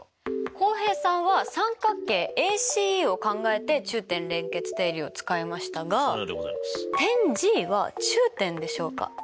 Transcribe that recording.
浩平さんは三角形ＡＣＥを考えて中点連結定理を使いましたが点Ｇは中点でしょうか？